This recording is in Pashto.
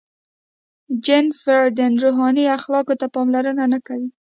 • جن فردي روحاني اخلاقو ته پاملرنه نهکوي.